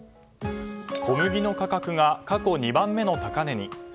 小麦の価格が過去２番目の高値に。